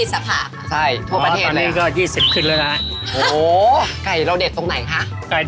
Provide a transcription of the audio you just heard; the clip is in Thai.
สะโพกเท่าไหร่คะ